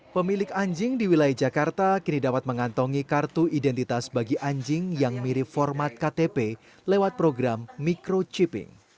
pemilik anjing di wilayah jakarta kini dapat mengantongi kartu identitas bagi anjing yang mirip format ktp lewat program microchipping